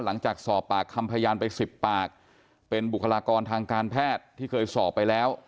หลังจากสอบปากคำพยานไปสิบปากเป็นบุคลากรทางการแพทย์ที่เคยสอบไปแล้ว